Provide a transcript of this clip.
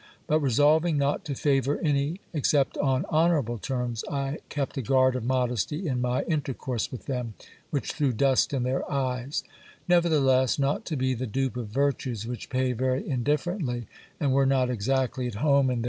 But resolving not to favour any except on honourable terms, I kept a guard of modesty in my inter course with them, which threw dust in their eyes. Nevertheless, not to be the dupe of virtues which pay very indifferently, and were not exactly at home in GIL BIAS GOES TO THE MARQUIS DE MARIALVA S.